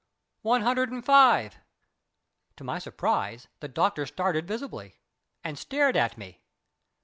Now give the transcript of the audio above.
"One hundred and five " To my surprise the doctor started visibly, and stared at me.